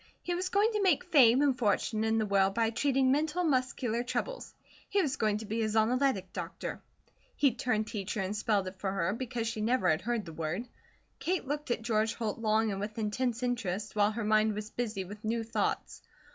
He was going to make fame and fortune in the world by treating mental and muscular troubles. He was going to be a Zonoletic Doctor. He turned teacher and spelled it for her, because she never had heard the word. Kate looked at George Holt long and with intense interest, while her mind was busy with new thoughts.